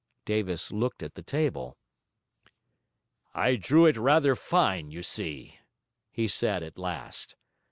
Davis looked at the table. 'I drew it rather fine, you see,' he said at last.